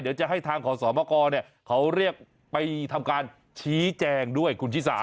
เดี๋ยวจะให้ทางขอสอบมากรเขาเรียกไปทำการชี้แจงด้วยคุณชิสา